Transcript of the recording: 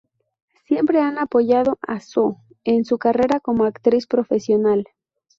Siempre han apoyado a Soo en su carrera como actriz profesional.